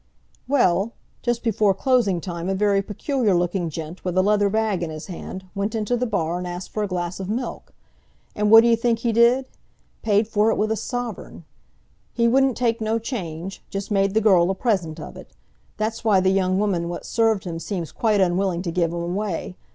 "Well, just before closing time a very peculiar looking gent, with a leather bag in his hand, went into the bar and asked for a glass of milk. And what d'you think he did? Paid for it with a sovereign! He wouldn't take no change—just made the girl a present of it! That's why the young woman what served him seems quite unwilling to give him away.